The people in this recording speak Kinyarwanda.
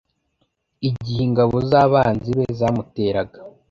igihe ingabo z’abanzi be zamuteraga,